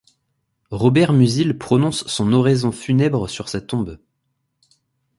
Robert Musil prononce son oraison funèbre sur sa tombe.